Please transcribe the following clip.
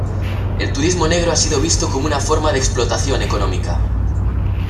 El turismo negro ha sido visto como una forma de explotación económica.